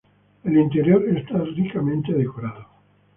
El interior está ricamente decorado.